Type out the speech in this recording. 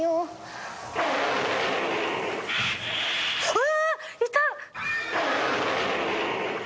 ・うわ！？